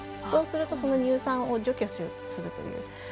そうするとその乳酸を除去するという。